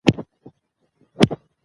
انګریزان به تېښته کوله.